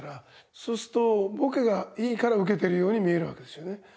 そうするとボケがいいからウケてるように見えるわけですよね。